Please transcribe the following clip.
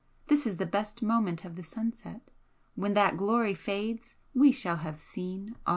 This is the best moment of the sunset, when that glory fades we shall have seen all!"